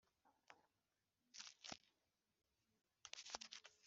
hemejwe ko Rwiyemezamirimo yakwishyurwa inyemezabuguzi